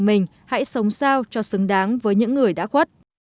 mình hãy sống sao cho xứng đáng với những người đã khuất